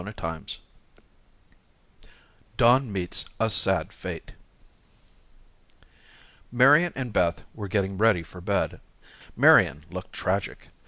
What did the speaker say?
CHAPTER XI Don Meets a Sad Fate Marian and Beth were getting ready for bed. Marian looked tragic.